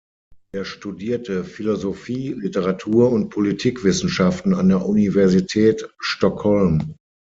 Er studierte Philosophie, Literatur- und Politikwissenschaften an der Universität Stockholm.